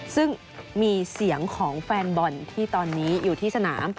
ซึ่งมีเสียงของแฟนบอลที่ตอนนี้อยู่ที่สนาม